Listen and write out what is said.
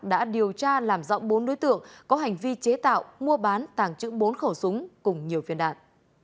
đã điều tra làm rõ bốn đối tượng có hành vi chế tạo mua bán tàng trữ bốn khẩu súng cùng nhiều phiên đạn